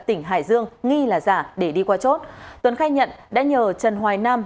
tỉnh hải dương nghi là giả để đi qua chốt tuấn khai nhận đã nhờ trần hoài nam